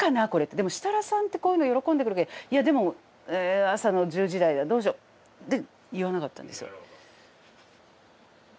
でも設楽さんってこういうの喜んでくれるけどいやでも朝の１０時台だどうしようで言わなかったんですよ。